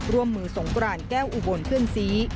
ร่วมมือสงกรานแก้วอุบลเพื่อนซี